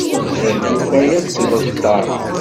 S dderbuka yak d ṭṭar